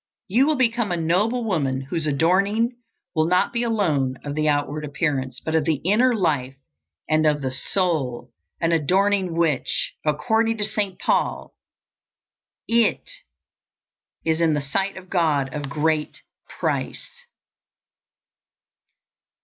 You will become a noble woman, whose adorning will be not alone of the outward appearance, but of the inner life and of the soul an adorning which, according to St. Paul, "is in the sight of God of great price."